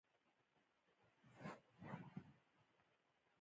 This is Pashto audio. د سترګو د بصارت تر شاه دي د بصیرت راز پروت دی